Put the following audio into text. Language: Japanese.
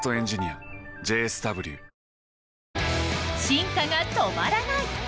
進化が止まらない！